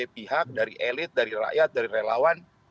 pihak dari elit dari rakyat dari relawan